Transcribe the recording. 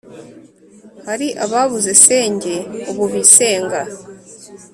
Hari ababuze senge ubu bisenga ,